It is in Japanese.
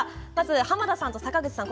濱田さんと坂口さん